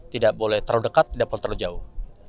tidak boleh terlalu dekat tidak boleh terlalu jauh